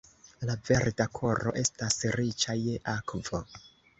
La Verda Koro estas riĉa je akvo.